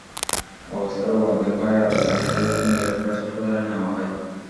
অবস্থার অবনতি হওয়ায় রাতে তাঁকে ফরিদপুর মেডিকেল কলেজ হাসপাতালে নেওয়া হয়।